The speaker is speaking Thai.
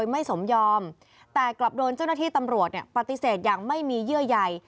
ไม่สมยอมแต่กลับโดนเจ้าหน้าที่ตำรวจปฏิเสธอย่างไม่มีเยื่อใย